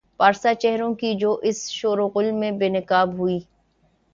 پارسا چہروں کی جو اس شوروغل میں بے نقاب ہوئی۔